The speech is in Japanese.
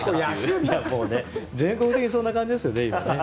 全国的にそんな感じですよね。